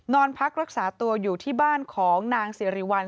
นอนพักรักษาตัวอยู่ที่บ้านของนางสิริวัล